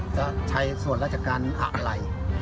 จะใช้ส่วนราชการอะไร